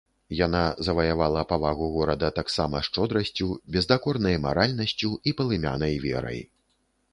Яна заваявала павагу горада таксама шчодрасцю, бездакорнай маральнасцю і палымянай верай.